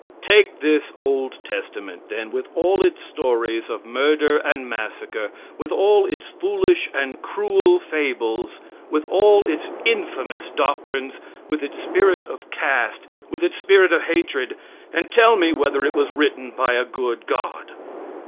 Take this old testament, then, with all its stories of murder and massacre; with all its foolish and cruel fables; with all its infamous doctrines; with its spirit of caste; with its spirit of hatred, and tell me whether it was written by a good God.